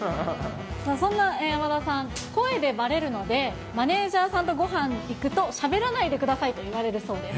そんな山田さん、声でばれるので、マネージャーさんとごはん行くと、しゃべらないでくださいと言われるそうです。